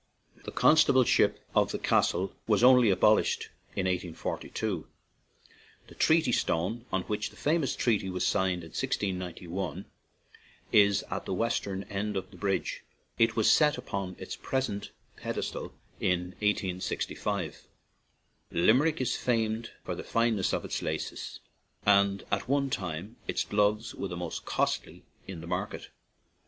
The con stableship of the Castle was only abol ished in 1842. The "Treaty Stone," on which the famous treaty was signed in 1691, is at the western end of the bridge; 126 LIMERICK it was set upon its present pedestal in 1865. Limerick is famed for the fineness of its laces, and at one time its gloves were the most costly in the market.